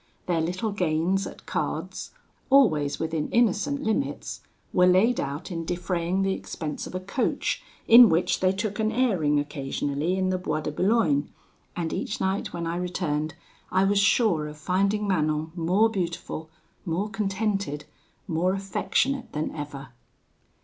Their little gains at cards (always within innocent limits) were laid out in defraying the expense of a coach, in which they took an airing occasionally in the Bois de Boulogne; and each night when I returned, I was sure of finding Manon more beautiful more contented more affectionate than ever.